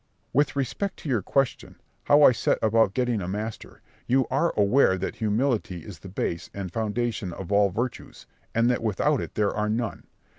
Berg. With respect to your question, how I set about getting a master: you are aware that humility is the base and foundation of all virtues, and that without it there are none.